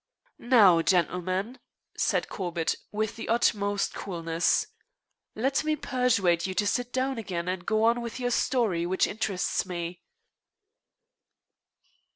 "Now, gentlemen," said Corbett, with the utmost coolness, "let me persuade you to sit down again and go on with your story, which interests me."